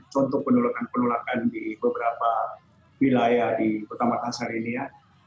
contoh penolakan penolakan di beberapa wilayah di kota makassar ini ya